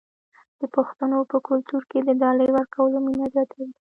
د پښتنو په کلتور کې د ډالۍ ورکول مینه زیاتوي.